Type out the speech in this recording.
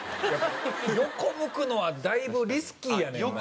横向くのはだいぶリスキーやねんな。